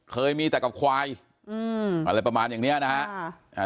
เคยมีแต่กับควายอืมอะไรประมาณอย่างเนี้ยนะฮะ